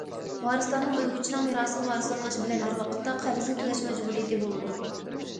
ۋارىسلارنىڭ ئۆلگۈچىنىڭ مىراسىغا ۋارىسلىق قىلىش بىلەن بىر ۋاقىتتا، قەرزنى تۆلەش مەجبۇرىيىتى بولىدۇ.